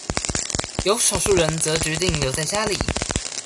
有少數人則決定留在家裡